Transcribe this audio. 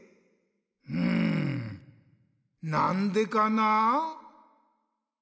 うんなんでかな？